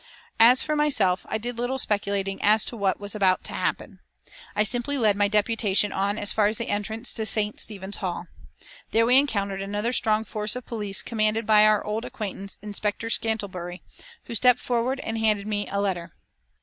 As for myself I did little speculating as to what was about to happen. I simply led my deputation on as far as the entrance to St. Stephen's Hall. There we encountered another strong force of police commanded by our old acquaintance, Inspector Scantlebury, who stepped forward and handed me a letter.